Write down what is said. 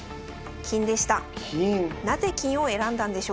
金でした。